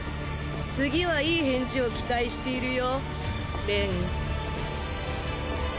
次はいい返事を期待しているよ。